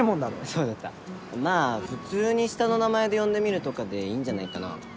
そうだったまぁ普通に下の名前で呼んでみるとかでいいんじゃないかな？